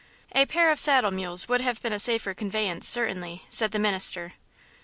"A pair of saddle mules would have been a safer conveyance, certainly," said the minister.